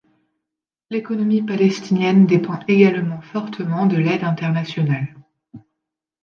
L’économie palestinienne dépend également fortement de l’aide internationale.